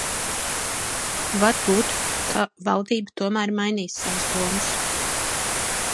Var būt, ka valdība tomēr mainīs savas domas.